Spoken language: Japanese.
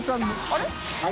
あれ？